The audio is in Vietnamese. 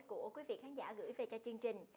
của quý vị khán giả gửi về cho chương trình